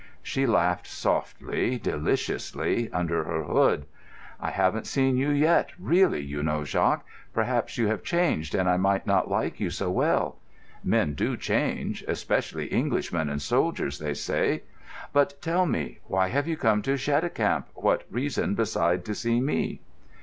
She laughed softly, deliciously, under her hood. "I haven't seen you yet, really, you know, Jacques. Perhaps you have changed, and I might not like you so well. Men do change, especially Englishmen and soldiers, they say. But tell me, why have you come to Cheticamp; what reason beside to see me?"